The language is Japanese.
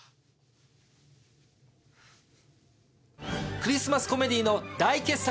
クリスマスコメディーの大傑作。